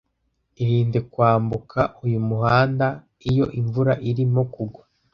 Irinde kwambuka uyu muhanda iyo imvura irimo kugwa.